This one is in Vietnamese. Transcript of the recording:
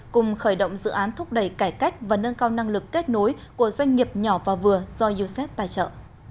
cùng khởi động dự án thúc đẩy cải cách và nâng cao năng lực kết nối của doanh nghiệp nhỏ và vừa do used tài trợ